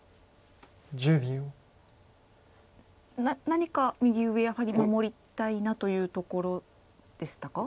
何か右上やはり守りたいなというところでしたか？